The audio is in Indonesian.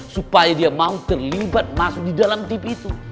supaya dia mau terlibat masuk di dalam tip itu